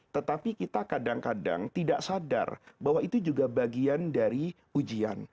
tetapi kita kadang kadang tidak sadar bahwa itu juga bagian dari ujian